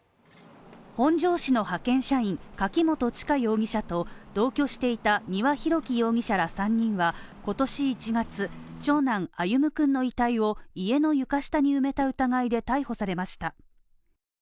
本庄市の派遣社員、柿本知香容疑者と同居していた丹羽洋樹容疑者ら３人は今年１月、長男・歩夢君の遺体を家の床下に埋めた疑いで逮捕されました。